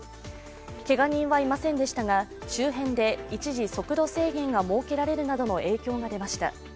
けが人はいませんでしたが、周辺で一時、速度制限が設けられるなどの影響が出ました。